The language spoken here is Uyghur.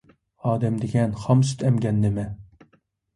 ئادەم دېگەن خام سۈت ئەمگەن نېمە.